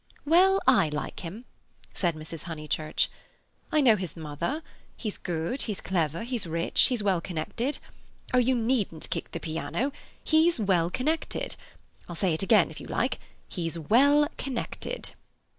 "Well, I like him," said Mrs. Honeychurch. "I know his mother; he's good, he's clever, he's rich, he's well connected—Oh, you needn't kick the piano! He's well connected—I'll say it again if you like: he's well connected."